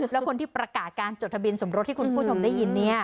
แล้วคนที่ประกาศการจดทะเบียนสมรสที่คุณผู้ชมได้ยินเนี่ย